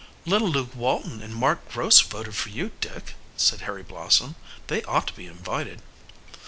"Little Luke Walton and Mark Gross voted for you, Dick," said Harry Blossom. "They ought to be invited."